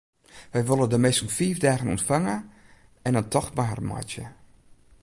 Wy wolle de minsken fiif dagen ûntfange en in tocht mei harren meitsje.